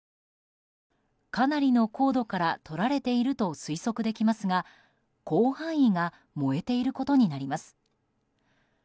かなりの高度から撮られていると推測できますが広範囲が燃えていることになります。